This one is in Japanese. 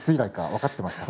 分かっていました。